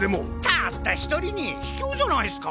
たった１人に卑怯じゃないすか！？